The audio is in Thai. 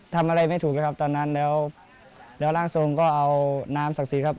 ทำอะไรไม่ถูกเลยครับตอนนั้นแล้วแล้วร่างทรงก็เอาน้ำศักดิ์ศรีครับ